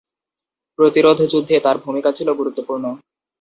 প্রতিরোধযুদ্ধে তার ভূমিকা ছিল গুরুত্বপূর্ণ।